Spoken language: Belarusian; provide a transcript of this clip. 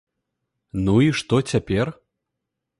Ну і што цяпер?